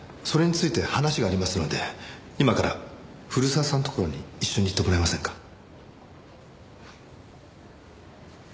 それについて話がありますので今から古澤さんのところに一緒に行ってもらえませんか？